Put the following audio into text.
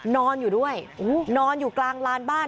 นอนอยู่ด้วยนอนอยู่กลางลานบ้าน